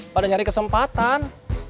pada nyari kesempatan